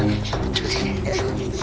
mami mami cara ngeri